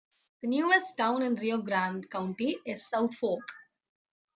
The newest town in Rio Grande County is South Fork.